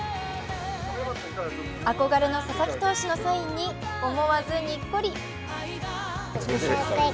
憧れの佐々木投手のサインに思わずにっこり。